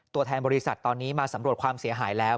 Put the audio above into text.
ตัวแทนบริษัทตอนนี้มาสำรวจความเสียหายแล้ว